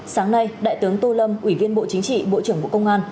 sáng nay đại tướng tô lâm ủy viên bộ chính trị bộ trưởng bộ công an